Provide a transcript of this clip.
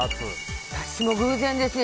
私も偶然ですね。